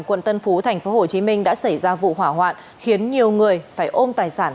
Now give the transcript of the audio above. quận tân phú tp hcm đã xảy ra vụ hỏa hoạn khiến nhiều người phải ôm tài sản